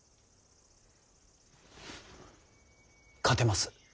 勝てます